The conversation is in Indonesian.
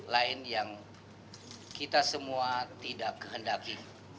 lain yang kita semua tidak kehendaki